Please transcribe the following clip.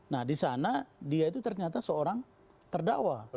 nah disana dia itu ternyata seorang terdakwa